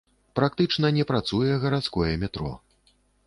Практычна не працуе гарадское метро.